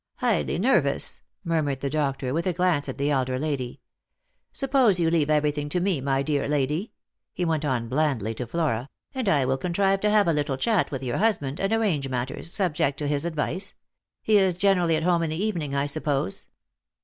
"Highly nervous," murmured the doctor, with a glance at the elder lady. " Suppose you leave everything to me, my dear lady," he went on blandly to Flora, " and I will contrive to have a little chat with your husband, and arrange matters, 298 Lost for Love. subject to his advice. He is generally at home in the evening, I suppose